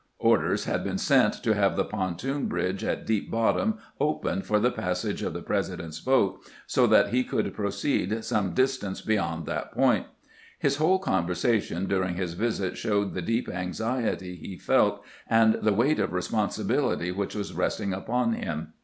Orders had been sent to have the pontoon bridge at Deep Bottom opened for the passage of the Presi dent's boat, so that he could proceed some distance be yond that point. His whole conversation during his visit showed the deep anxiety he felt and the weight of responsibility which was resting upon him.